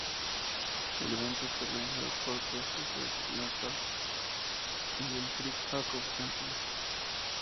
El evento está organizado por "The Science Network" y el "Crick-Jacobs Centre".